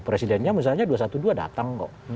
presidennya misalnya dua satu dua datang kok